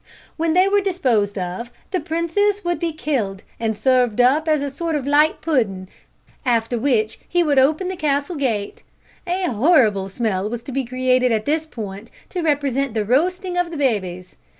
When they were disposed of, the princess would be killed, and served up as a sort of light pudding, after which he would open the castle gate. A horrible smell was to be created at this point to represent the roasting of the babies.